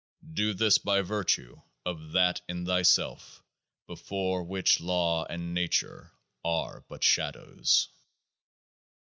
Do this by virtue of THAT in thyself before which law and nature are but shadows.